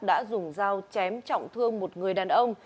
đã dùng dao chém trọng thương một người đàn ông